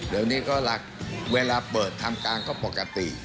เดี๋ยวนี้ก็หลักเวลาเปิดทำการก็ปกติ